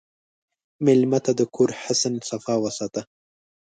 مېلمه ته د کور صحن صفا وساته.